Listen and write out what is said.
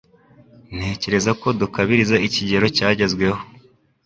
Ntekereza ko dukabiriza ikigero cyagezweho